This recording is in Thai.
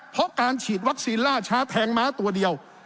เพราะการฉีดวัคซีนล่าช้าแทงม้าตัวเดียว